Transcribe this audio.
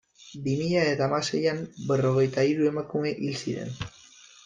Bi mila eta hamaseian berrogeita hiru emakume hil ziren.